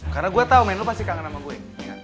karena gue tau men lo pasti kangen sama gue